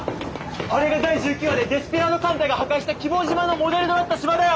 あれが第１９話でデスペラード艦隊が破壊した希望島のモデルとなった島だよ！